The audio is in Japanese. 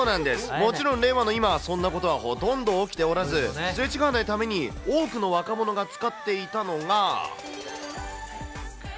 もちろん令和の今は、そんなことはほとんど起きておらず、すれ違わないために多くの若者が使っていたのが。